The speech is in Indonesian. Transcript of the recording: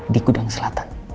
di kudang selatan